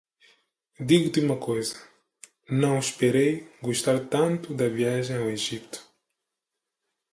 Digo-te uma coisa: não esperei gostar tanto da viagem ao Egipto.